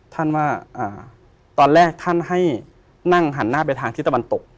ท่านว่าตอนแรกท่านให้นั่งหันหน้าไปทางที่ตะวันตก